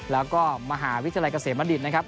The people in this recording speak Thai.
แล้วก็มหาวิทยาลัยเกษมณฑิตนะครับ